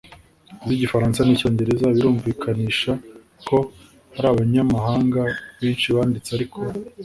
z'igifaransa n'icyongereza. birumvikanisha ko hari abanyamahanga benshi banditse ariko